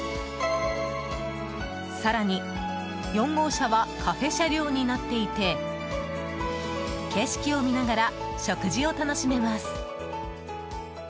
更に、４号車はカフェ車両になっていて景色を見ながら食事を楽しめます。